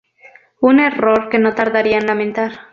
Un error que no tardaría en lamentar.